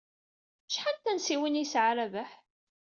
Acḥal n tansiwin ay yesɛa Rabaḥ?